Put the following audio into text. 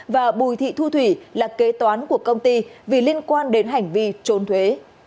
và bùi thị thu thủy là kế toán của công ty vì liên quan đến hành vi trốn thuế